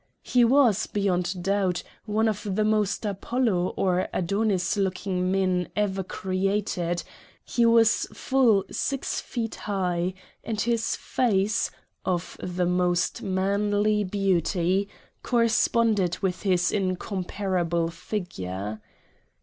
He was, beyond doubt, one of the most Apollo or Adonis looking men ever created ; he was full six feet high, and his face, of the most manly beauty, corresponded with his incomparable figure."